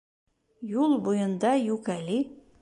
Юл буйында Йүкәли.